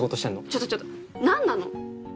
ちょっとちょっと何なの？